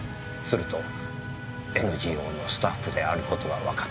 するとＮＧＯのスタッフである事がわかった。